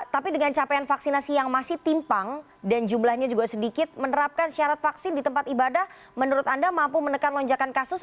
tapi dengan capaian vaksinasi yang masih timpang dan jumlahnya juga sedikit menerapkan syarat vaksin di tempat ibadah menurut anda mampu menekan lonjakan kasus